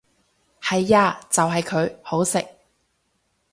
係呀就係佢，好食！